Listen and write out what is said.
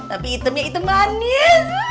tapi item ya item manis